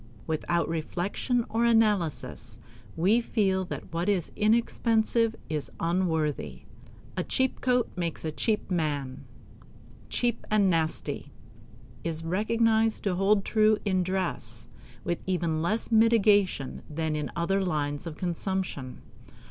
Without reflection or analysis, we feel that what is inexpensive is unworthy. "A cheap coat makes a cheap man." "Cheap and nasty" is recognized to hold true in dress with even less mitigation than in other lines of consumption.